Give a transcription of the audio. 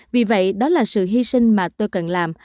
vì vậy đó là sự hy sinh mà tôi cần làm